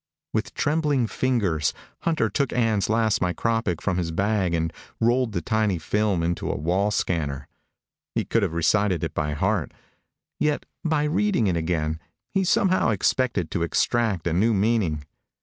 With trembling fingers, Hunter took Ann's last micropic from his bag and rolled the tiny film into a wall scanner. He could have recited it by heart; yet, by reading it again, he somehow expected to extract a new meaning.